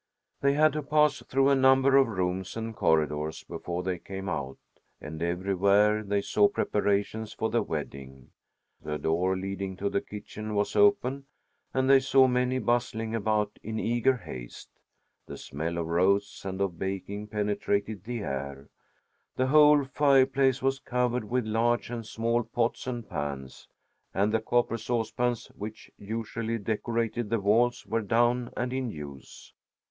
They had to pass through a number of rooms and corridors before they came out, and everywhere they saw preparations for the wedding. The door leading to the kitchen was open, and they saw many bustling about in eager haste. The smell of roasts and of baking penetrated the air; the whole fireplace was covered with large and small pots and pans, and the copper saucepans, which usually decorated the walls, were down and in use.